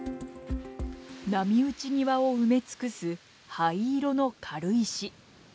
波打ち際を埋め尽くす灰色の軽石。